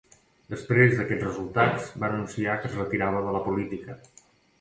Després d'aquests resultats va anunciar que es retirava de la política.